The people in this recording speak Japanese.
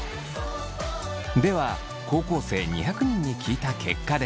では高校生２００人に聞いた結果です。